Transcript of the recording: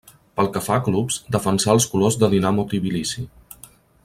Pel que fa a clubs, defensà els colors de Dinamo Tbilisi.